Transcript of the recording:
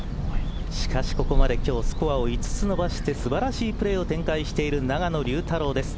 しかしここまで今日スコアを５つ伸ばして素晴らしいプレーを展開している永野竜太郎です。